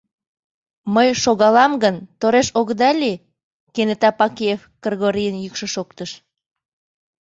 — Мый шогалам гын, тореш огыда лий? — кенета Пакеев Кргорийын йӱкшӧ шоктыш.